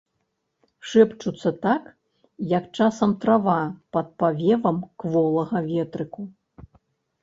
Шэпчуцца так, як часам трава пад павевам кволага ветрыку.